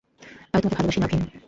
আমি তোমাকে ভালোবাসি, নাভিন।